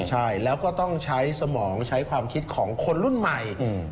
ใช่แล้วก็ต้องใช้สมองใช้ความคิดของคนรุ่นใหม่